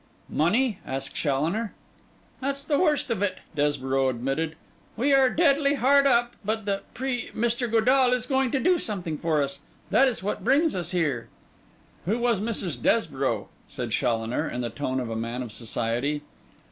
'Money?' asked Challoner. 'That's the worst of it,' Desborough admitted. 'We are deadly hard up. But the Pri Mr. Godall is going to do something for us. That is what brings us here.' 'Who was Mrs. Desborough?' said Challoner, in the tone of a man of society.